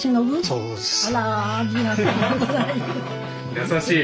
優しい！